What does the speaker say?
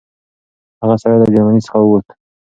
هغه سړی له جرمني څخه ووت.